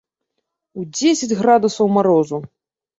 У дзесяць градусаў марозу!